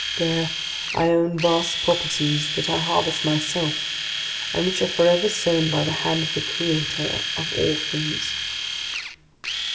There I own vast properties that I harvest myself, and which are forever sown by the hand of the Creator of All Things."